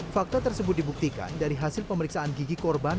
fakta tersebut dibuktikan dari hasil pemeriksaan gigi korban